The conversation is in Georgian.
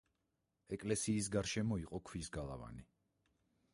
ეკლესიის გარშემო იყო ქვის გალავანი.